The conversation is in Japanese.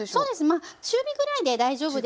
まあ中火ぐらいで大丈夫です。